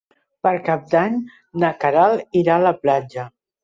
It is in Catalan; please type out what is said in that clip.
Per Cap d'Any na Queralt irà a la platja.